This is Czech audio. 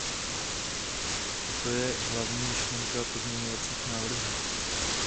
Toto je hlavní myšlenka pozměňovacích návrhů.